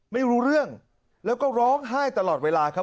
ไม่รู้เรื่องแล้วก็ร้องไห้ตลอดเวลาครับ